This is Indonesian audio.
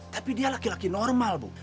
tapi dia laki laki normal bu